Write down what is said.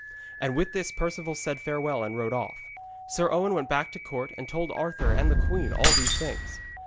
And with this Perceval said farewell and rode off. Sir Owen went back to the court, and told Arthur and the queen all these things.